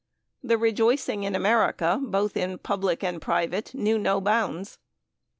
The rejoicing in America, both in public and private, knew no bounds.